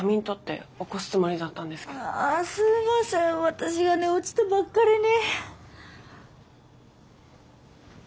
私が寝落ちしたばっかりに。